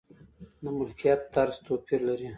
د ملکیت طرز توپیر لري.